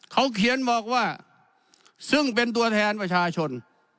เขาเขียนบอกว่าซึ่งเป็นตัวแทนประชาชน